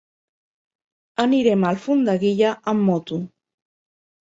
Anirem a Alfondeguilla amb moto.